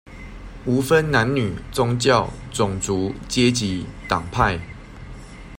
無分男女、宗教、種族、階級、黨派